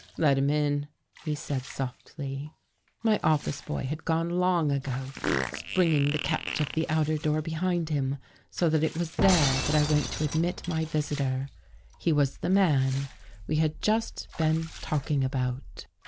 " Let him in," he said softly. My office boy had gone long ago, springing the catch of the outer door behind him, so that it was there that I went to admit my visitor. He was the man we had just been talking about.